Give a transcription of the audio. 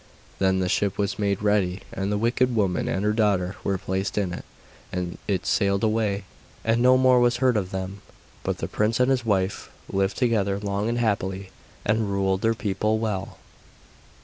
Then the ship was made ready and the wicked woman and her daughter were placed in it, and it sailed away, and no more was heard of them. But the prince and his wife lived together long and happily, and ruled their people well.